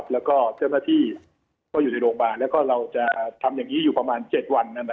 แล้วก็เจ้าหน้าที่ก็อยู่ในโรงพยาบาลแล้วก็เราจะทำอย่างนี้อยู่ประมาณ๗วัน